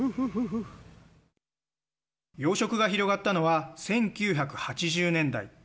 養殖が広がったのは１９８０年代。